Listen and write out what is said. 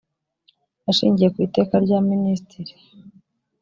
ashingiye ku iteka rya minisitiri